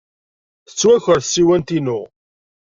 Tettwaker tsiwant-inu.